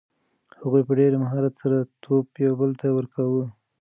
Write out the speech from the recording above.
هغوی په ډېر مهارت سره توپ یو بل ته ورکاوه.